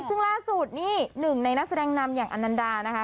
ซึ่งล่าสุดนี่๑ในนักแสดงนำอย่างอันนดาร์นะคะ